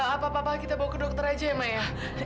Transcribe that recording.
apa apa kita bawa ke dokter aja ya